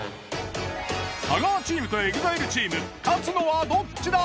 太川チームとＥＸＩＬＥチーム勝つのはどっちだ！？